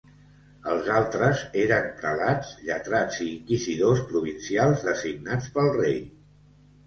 Els altres eren prelats, lletrats i inquisidors provincials designats pel Rei.